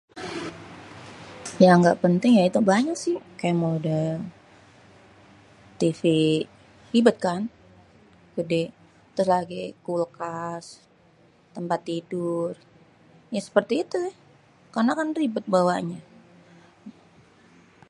Yang ga peting ya itu banyak si ke model tv ribetkan gedé trus lagi kulkas tempat tidur ya seperti itu karna kan ribet bawanya